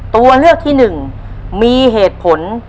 ตัวเลือกที่๑มีเหตุผล